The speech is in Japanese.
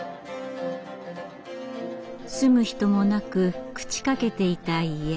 住む人もなく朽ちかけていた家。